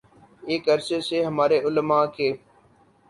ایک عرصے سے ہمارے علما کے